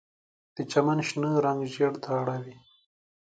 د چمن شنه رنګ ژیړ ته اړوي